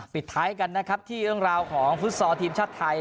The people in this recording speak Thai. ปิดท้ายกันนะครับที่เรื่องราวของฟุตซอลทีมชาติไทย